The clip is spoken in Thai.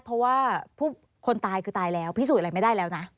เพราะว่าคนตายคือตายแล้วพิสูจน์อะไรไม่ได้แล้วนะ